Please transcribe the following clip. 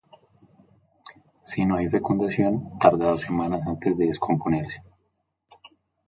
Si no hay fecundación, tarda dos semanas antes de descomponerse.